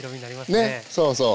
ねそうそう。